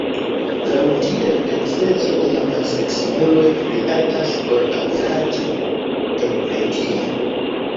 Laŭdire la denseco de samseksemuloj pli altas ol averaĝe en Britio.